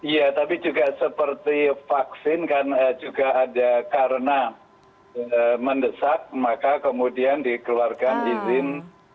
ya tapi juga seperti vaksin kan juga ada karena mendesak maka kemudian dikeluarkan izin